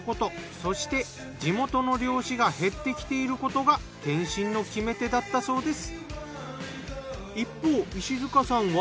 そして地元の漁師が減ってきていることが転身の決め手だったそうです。